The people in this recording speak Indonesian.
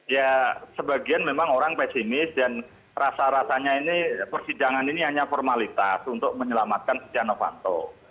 ya sebagian memang orang pesimis dan rasa rasanya ini persidangan ini hanya formalitas untuk menyelamatkan setia novanto